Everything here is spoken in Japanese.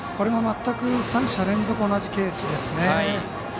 全く３者連続同じケースですね。